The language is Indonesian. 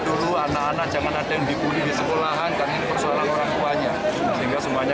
dulu anak anak jangan ada yang dibudi di sekolahan karena ini persoalan orang tuanya sehingga semuanya